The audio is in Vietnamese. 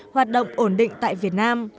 hoạt động ổn định tại việt nam